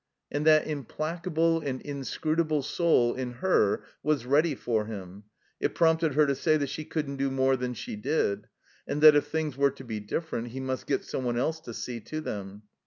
And that implacable and inscrutable soul in her was ready for him. It prompted her to say that she couldn't do more than she did, and that if things were to be different he must get some one else to see to them.